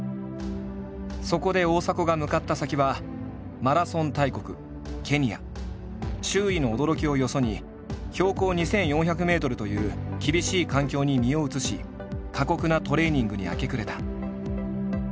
そこで大迫が向かった先は周囲の驚きをよそに標高２，４００ｍという厳しい環境に身を移し過酷なトレーニングに明け暮れた。